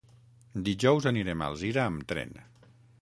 Dijous anirem a Alzira amb tren.